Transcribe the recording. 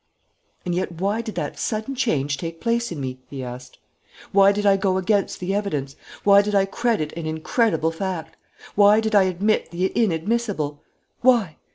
"And yet why did that sudden change take place in me?" he asked. "Why did I go against the evidence? Why did I credit an incredible fact? Why did I admit the inadmissible? Why?